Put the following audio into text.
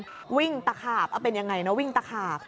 วิ่งตะขาบวิ่งตะขาบเป็นยังไงนะ